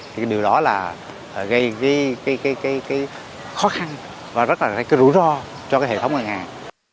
thì điều đó là gây khó khăn và rất là gây cái rủi ro cho cái hệ thống ngân hàng